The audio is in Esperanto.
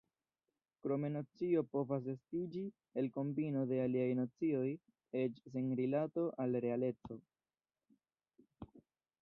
Krome nocio povas estiĝi el kombino de aliaj nocioj eĉ sen rilato al realeco.